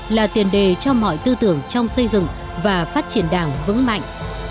là tiền đề cho mọi tư tưởng trong xây dựng và phát triển đảng vững mạnh